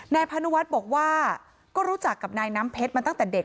พานุวัฒน์บอกว่าก็รู้จักกับนายน้ำเพชรมาตั้งแต่เด็ก